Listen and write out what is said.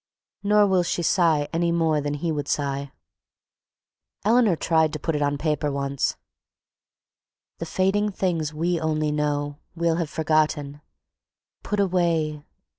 Nor will she sigh, any more than he would sigh. Eleanor tried to put it on paper once: "The fading things we only know We'll have forgotten... Put away...